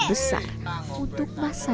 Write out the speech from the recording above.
besar untuk masa